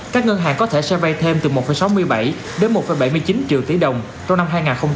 các ngân hàng có thể xe bay thêm từ một sáu mươi bảy đến một bảy mươi chín triệu tỷ đồng trong năm hai nghìn hai mươi ba